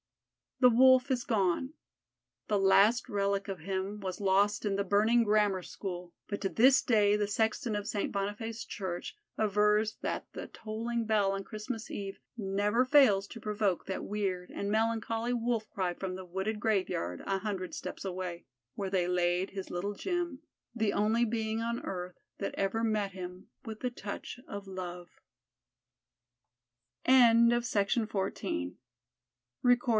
The Wolf is gone. The last relic of him was lost in the burning Grammar School, but to this day the sexton of St. Boniface Church avers that the tolling bell on Christmas Eve never fails to provoke that weird and melancholy Wolf cry from the wooded graveyard a hundred steps away, where they laid his Little Jim, the only being on earth that ever met him with the touch of love. THE LEGEND OF THE WHITE REINDEER Skoal! Skoal!